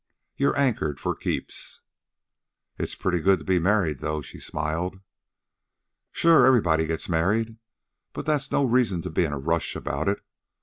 You're anchored for keeps." "It's pretty good to be married, though," she smiled. "Sure, everybody gets married. But that's no reason to be in a rush about it.